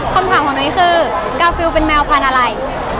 คำถามของนุ้ยคือกาฟิลเป็นแมวพันธุ์อะไร